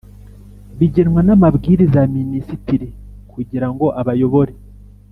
bigenwa n amabwiriza ya Minisitiri kugira ngo abayobore